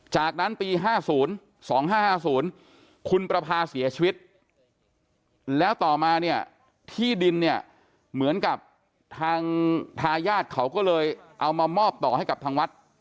จากนั้นปี๕๐๒๕๕๐คุณประพาเสียชีวิตแล้วต่อมาเนี่ยที่ดินเนี่ยเหมือนกับทางทายาทเขาก็เลยเอามามอบต่อให้กับทางวัด